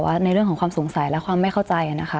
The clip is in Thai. ในเรื่องของความสงสัยและความไม่เข้าใจนะคะ